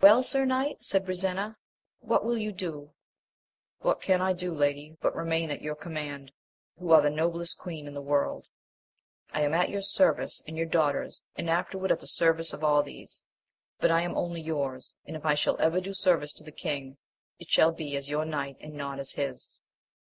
Well, sir knight, said Brisena, what will you do %— ^What can I do, lady, but remain at your com mand, who are the noblest queen in the world ! I am at your service, and your daughter's, and afterward at the service of all these ; but I am only yours, and if I shall ever do service to the king, it shall be as your knight smd not as his.